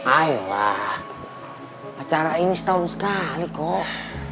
ayo lah acara ini setahun sekali kok